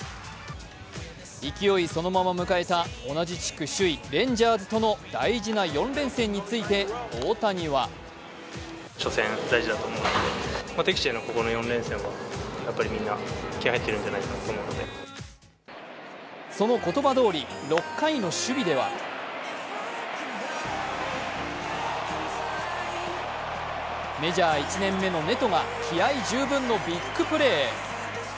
勢いそのまま迎えた同じ地区首位レンジャーズとの大事な４連戦について大谷はその言葉どおり、６回の守備ではメジャー１年目のネトが気合い十分のビッグプレー。